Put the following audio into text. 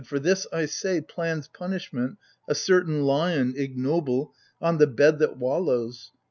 For this, I say, plans punishment a certain Lion ignoble, on the bed that wallows.